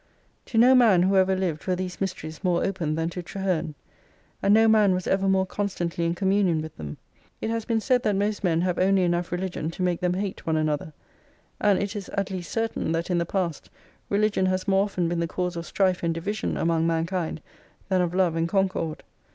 To no man who ever Hved were these mysteries more open than to Traherne, and no man was ever more con stantly m communion with them. It has been said that most men have only enough religion to make them hate one another ; and it is at least certain that in the past religion has more often been the cause of strife and division among mankind than of love and concord.